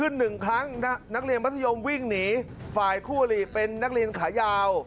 หนึ่งครั้งนักเรียนมัธยมวิ่งหนีฝ่ายคู่อลีเป็นนักเรียนขายาว